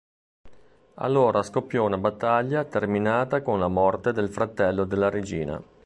Allora scoppio una battaglia terminata con la morte del fratello della regina.